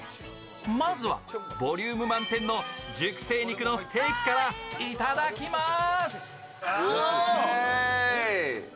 まずはボリューム満点の熟成肉のステーキからいただきます。